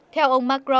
theo ông macron